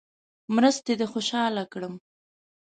مرستې دې خوشاله کړم.